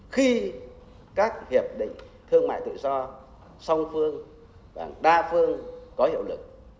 khi các hiệp định thương mại tự do song phương và đa phương có hiệu lực